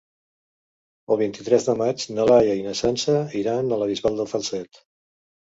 El vint-i-tres de maig na Laia i na Sança iran a la Bisbal de Falset.